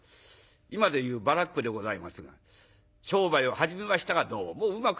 今で言うバラックでございますが商売を始めましたがどうもうまくいかない。